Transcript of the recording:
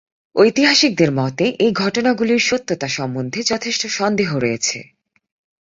ঐতিহাসিকদের মতে, এই ঘটনাগুলির সত্যতা সম্বন্ধে যথেষ্ট সন্দেহ রয়েছে।